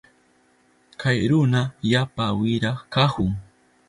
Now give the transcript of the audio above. Kay runa yapa wira kahun.